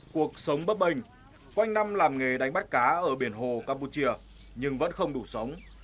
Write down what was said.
cuộc sống bấp bềnh quanh năm làm nghề đánh bắt cá ở biển hồ campuchia nhưng vẫn không đủ sống